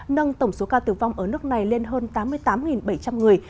nâng tổng số ca tử vong ở nước này lên hơn tám mươi tám bảy trăm linh người